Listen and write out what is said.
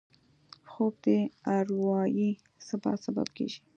خوب د اروايي ثبات سبب کېږي